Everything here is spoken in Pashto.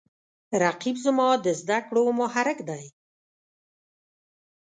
رقیب زما د زده کړو محرک دی